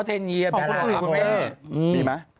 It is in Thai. อ๋อเทนเยียร์มีไหม